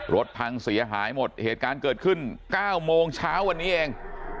รถพังเสียหายหมดเหตุการณ์เกิดขึ้น๙โมงเช้าวันนี้เอง